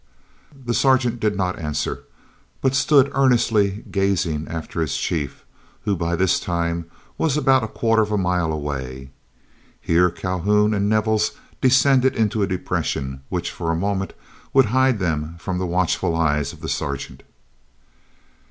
The Sergeant did not answer, but stood earnestly gazing after his chief, who by this time was about a quarter of a mile away. Here Calhoun and Nevels descended into a depression, which for a moment would hide them from the watchful eyes of the Sergeant.